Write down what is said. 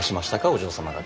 お嬢様方。